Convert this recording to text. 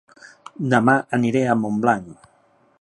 Dema aniré a Montblanc